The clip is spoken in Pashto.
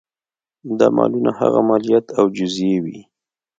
دا مالونه هغه مالیات او جزیې وې.